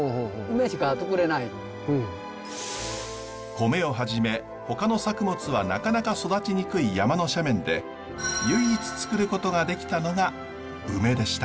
米をはじめほかの作物はなかなか育ちにくい山の斜面で唯一作ることができたのがウメでした。